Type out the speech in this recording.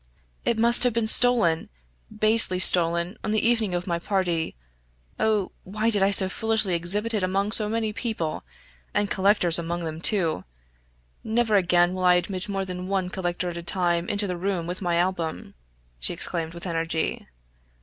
"It must have been stolen basely stolen on the evening of my party. Oh! why did I so foolishly exhibit it among so many people, and collectors among them, too! Never again will I admit more than one collector at a time into the room with my album!" she exclaimed with energy.